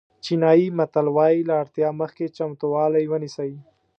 چینایي متل وایي له اړتیا مخکې چمتووالی ونیسئ.